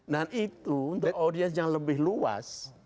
itu untuk audiens yang lebih luas